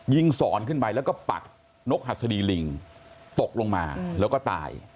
สอนขึ้นไปแล้วก็ปักนกหัสดีลิงตกลงมาแล้วก็ตาย